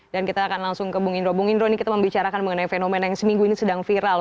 dan kita akan langsung ke bung indro bung indro ini kita membicarakan mengenai fenomen yang seminggu ini sedang viral